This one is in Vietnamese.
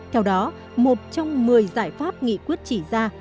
theo đó một trong một mươi giải pháp nghị quyết chỉ ra